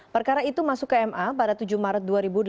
perkara itu masuk ke ma pada tujuh maret dua ribu delapan belas